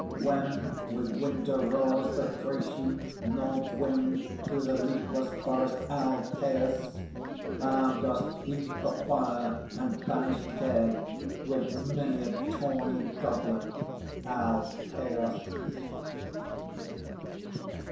When with winter roars the Thracian North wind through the leafless forest, O Alcæus! Thou dost heap the fire and banish Care with many a tawny goblet, O Alcæus!